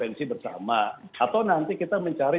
nanti kita mencari